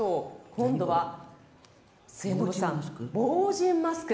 今度は末延さん、防じんマスク。